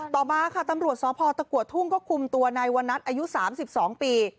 ต่อมาค่ะตำรวจสพตะกัวทุ่งก็คุมตัวนายวันนัทอายุ๓๒ปี